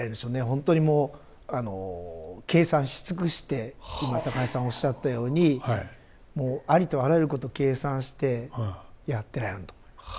本当にもう計算し尽くして今高橋さんおっしゃったようにもうありとあらゆること計算してやってられるんだと思います。